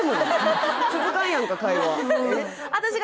続かんやんか会話